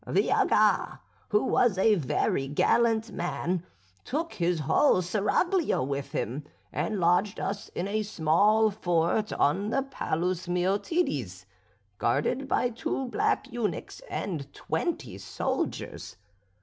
"The Aga, who was a very gallant man, took his whole seraglio with him, and lodged us in a small fort on the Palus Méotides, guarded by two black eunuchs and twenty soldiers.